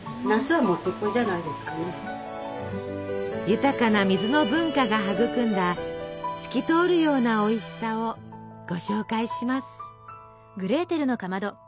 豊かな水の文化が育んだ透き通るようなおいしさをご紹介します。